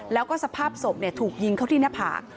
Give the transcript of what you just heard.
แล้วก็สภาพศพถูกยิงเข้าที่หน้าผาก